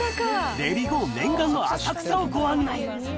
レリゴー、念願の浅草をご案内。